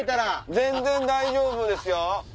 全然大丈夫ですよ。